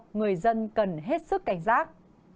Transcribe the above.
người dân cần hết sức cảnh giác